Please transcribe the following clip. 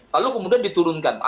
lalu kemudian diturunkan